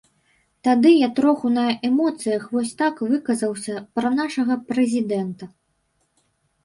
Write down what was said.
Тады я троху на эмоцыях вось так выказаўся пра нашага прэзідэнта.